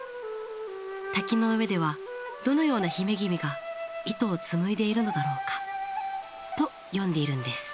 滝の上ではどのような姫君が糸を紡いでいるのだろうか」と詠んでいるんです。